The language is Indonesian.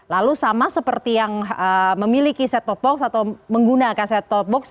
lalu sama seperti yang memiliki set top box atau menggunakan set top box